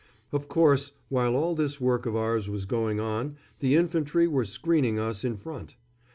Of course, while all this work of ours was going on the infantry were screening us in front.